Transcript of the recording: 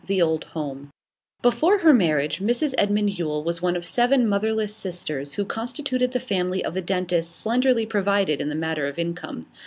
THE OLD HOME Before her marriage Mrs Edmund Yule was one of seven motherless sisters who constituted the family of a dentist slenderly provided in the matter of income.